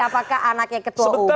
apakah anaknya ketua umum